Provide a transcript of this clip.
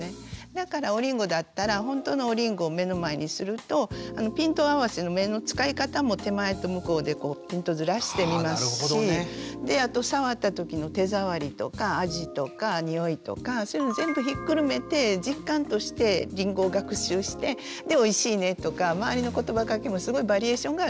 だからおりんごだったら本当のおりんごを目の前にするとピント合わせの目の使い方も手前と向こうでピントずらして見ますしであと触った時の手触りとか味とかにおいとかそういうの全部ひっくるめて実感としてりんごを学習してでおいしいねとか周りのことばがけもすごいバリエーションがあるんですよね。